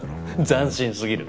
斬新すぎる。